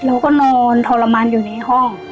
เราก็นอนทรมานอยู่ในห้อง